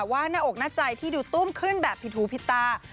ว่าหน้าอกหน้าใจที่ดูตุ้มขึ้นแบบผิดหูผิดตา